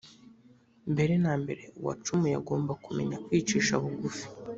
mbere na mbere uwacumuye agomba kumenya kwicisha bugufi